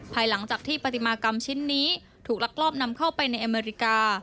ภายหลังจากที่ปฏิมากรรมชิ้นนี้ถูกลักลอบนำเข้าไปในอเมริกา